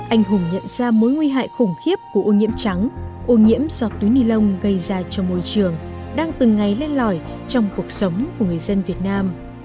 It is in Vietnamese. anh hùng nhận ra mối nguy hại khủng khiếp của ô nhiễm trắng ô nhiễm do túi ni lông gây ra cho môi trường đang từng ngày lên lỏi trong cuộc sống của người dân việt nam